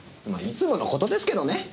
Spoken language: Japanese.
まいつもの事ですけどね。